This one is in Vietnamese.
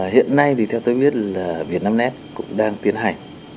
hiện nay thì theo tôi biết là việt nam s cũng đang tiến hành